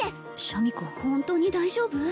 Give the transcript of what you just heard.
シャミ子ホントに大丈夫？